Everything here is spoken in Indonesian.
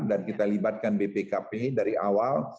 dan kita libatkan bpkp dari awal